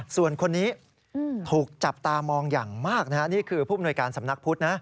ส่วนคนนี้ถูกจับตามองอย่างมากนี่คือผู้มนวยการสำนักพุทธนะ